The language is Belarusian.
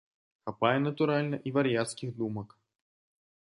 Хапае, натуральна, і вар'яцкіх думак.